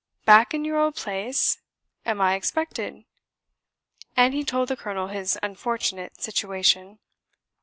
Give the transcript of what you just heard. back in your old place? Am I expected?" and he told the colonel his unfortunate situation.